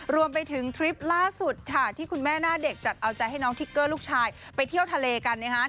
รวมไปถึงทริปล่าสุดค่ะที่คุณแม่หน้าเด็กจัดเอาใจให้น้องทิกเกอร์ลูกชายไปเที่ยวทะเลกัน